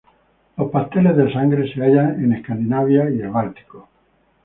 Los pasteles de sangre se hallan en Escandinavia y el Báltico.